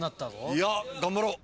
いや頑張ろう。